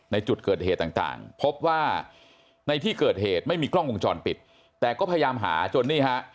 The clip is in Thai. ในจุดเกิดเหตุต่างพบว่าในที่เกิดเหตุไม่มีกล้องวงจรปิดแต่ก็พยายามหาจนนี่ฮะ